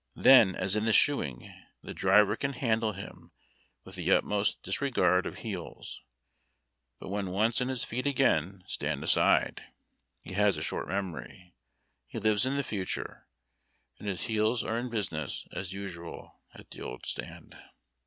Then, as in the shoeing, the driver can handle him with the utmost disregard of heels ; but when once on his feet again, stand aside ! He has a short memory. He lives in the future, and his heels are in business, as usual, at the old stand.